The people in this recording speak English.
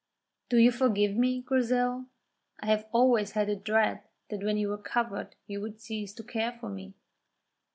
"Do you forgive me, Grizel? I have always had a dread that when you recovered you would cease to care for me."